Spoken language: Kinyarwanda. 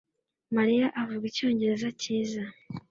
Mariya avuga icyongereza cyiza,